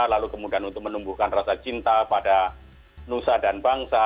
lalu kemudian untuk menumbuhkan rasa cinta pada nusa dan bangsa